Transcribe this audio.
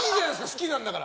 好きなんだから！